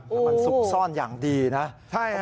แต่มันซุกซ่อนอย่างดีนะ